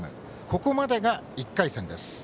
ここまでが１回戦です。